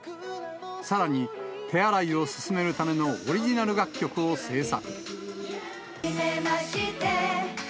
さらに、手洗いを勧めるためのオリジナル楽曲を制作。